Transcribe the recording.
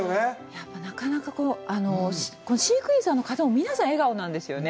やっぱりなかなか飼育員さんの方も皆さん、笑顔なんですよね。